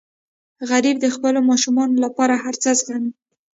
غریب د خپلو ماشومانو لپاره هر څه زغمي